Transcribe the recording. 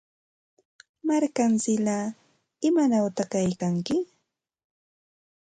Markamsillaa, ¿imanawta kaykanki?